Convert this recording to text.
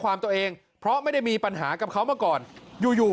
ความตัวเองเพราะไม่ได้มีปัญหากับเขามาก่อนอยู่อยู่